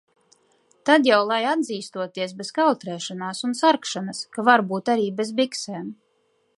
Tad jau lai atzīstoties bez kautrēšanās un sarkšanas, ka varbūt arī bez biksēm.